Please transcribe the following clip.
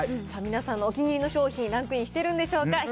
さあ、皆さんのお気に入りの商品、ランクインしてるんでしょうか。